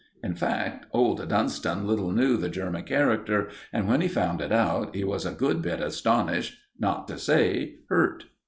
In fact, old Dunston little knew the German character, and when he found it out, he was a good bit astonished, not to say hurt.